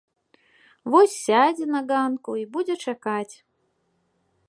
Вось сядзе на ганку і будзе чакаць.